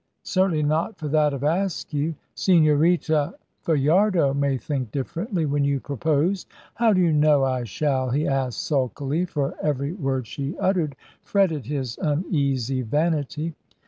"Certainly not for that of Askew. Señorita Fajardo may think differently, when you propose." "How do you know I shall?" he asked sulkily, for every word she uttered fretted his uneasy vanity.